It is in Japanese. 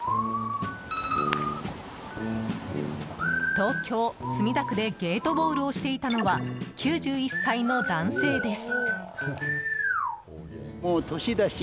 東京・墨田区でゲートボールをしていたのは９１歳の男性です。